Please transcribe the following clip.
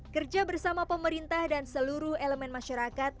kerja bersama pemerintah dan seluruh elemen masyarakat